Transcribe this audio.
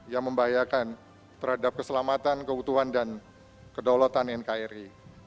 yang membahayakan terhadap keselamatan keutuhan dan kedaulatan nkri